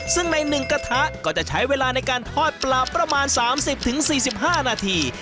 ซึ่งใน๑กระทะก็จะใช้เวลาในการทอดปลาประมาณ๓๐๔๕นาที